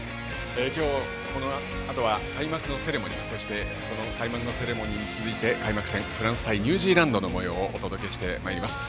今日、このあとは開幕のセレモニーそしてその開幕セレモニーに続き開幕戦フランス対ニュージーランドのもようをお届けします。